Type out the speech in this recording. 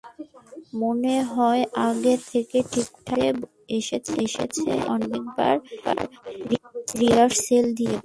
মনে হয় আগে থেকে ঠিকঠাক করে এসেছে এবং অনেক বার রিহার্সেল দিয়েছে।